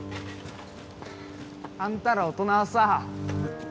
あんたら大人はさ